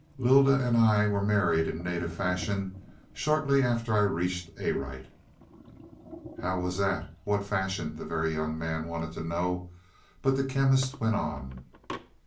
"Lylda and I were married in native fashion shortly after I reached Arite." "How was that; what fashion?" the Very Young Man wanted to know, but the Chemist went on.